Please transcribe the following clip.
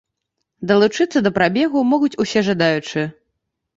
Далучыцца да прабегу могуць усе жадаючыя.